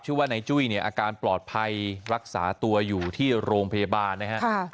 ว่านายจุ้ยเนี่ยอาการปลอดภัยรักษาตัวอยู่ที่โรงพยาบาลนะฮะ